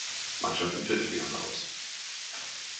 Mannschaft im Viertelfinale aus.